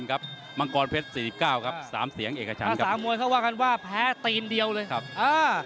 น้ำเงินครับมังกรเพชร๔๙ครับสามเสียงเอกชั้นถ้าสามมวยเขาว่ากันว่าแพ้ตีนเดียวเลยครับอ่า